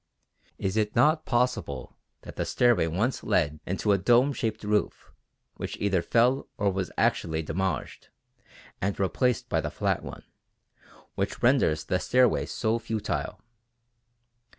Is it not possible that the stairway once led into a dome shaped roof which either fell or was actually demolished and replaced by the flat one, which renders the stairway so futile?